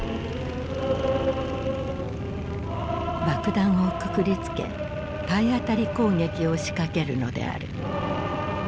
爆弾をくくりつけ体当たり攻撃を仕掛けるのである。